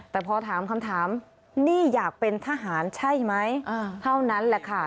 แต่พอถามคำถามนี่อยากเป็นทหารใช่ไหมเท่านั้นแหละค่ะ